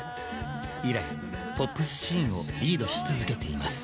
以来ポップスシーンをリードし続けています。